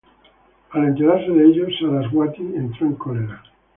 Al enterarse de ello, Saraswati entró en cólera.